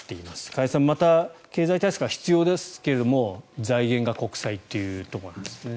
加谷さんまた経済対策が必要ですが財源が国債というところなんですね。